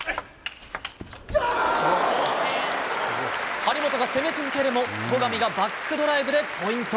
張本が攻め続けるも、戸上がバックドライブでポイント。